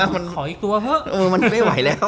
ขออีกตัวเถอะ